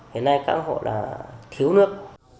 hiện nay các hộ là thiếu nước